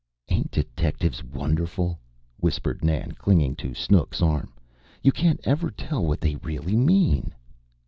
"Ain't detectives wonderful?" whispered Nan, clinging to Snooks's arm. "You can't ever tell what they really mean."